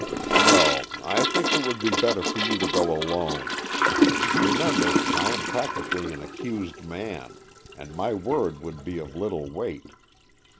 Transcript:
"No, I think it would be better for you to go alone. Remember I am practically an accused man, and my word would be of little weight.